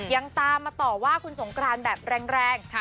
ยังตามมาต่อว่าคุณสงกรานแบบแรง